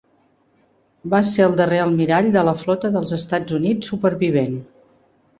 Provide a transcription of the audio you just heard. Va ser el darrer Almirall de la Flota dels Estats Units supervivent.